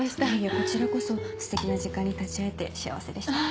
こちらこそステキな時間に立ち会えて幸せでした。